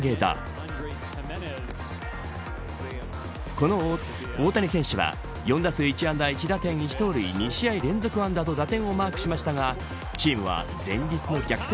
この後、大谷選手は４打数１安打１打点１盗塁２試合連続安打と打点をマークしましたがチームは前日の逆転